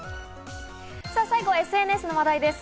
最後はＳＮＳの話題です。